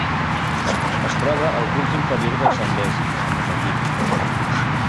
Es troba al curs inferior del Zambezi a Moçambic.